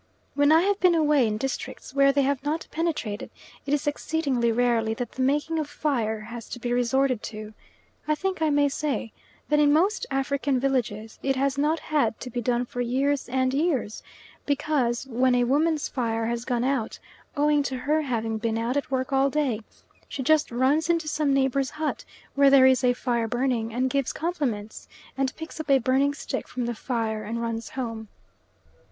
When I have been away in districts where they have not penetrated, it is exceedingly rarely that the making of fire has to be resorted to. I think I may say that in most African villages it has not had to be done for years and years, because when a woman's fire has gone out, owing to her having been out at work all day, she just runs into some neighbour's hut where there is a fire burning, and gives compliments, and picks up a burning stick from the fire and runs home.